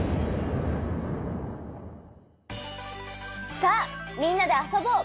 さあみんなであそぼう！